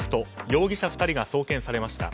容疑者２人が送検されました。